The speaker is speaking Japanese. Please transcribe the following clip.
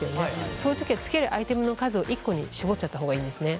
そういう時はつけるアイテムの数を１個に絞っちゃった方がいいんですね。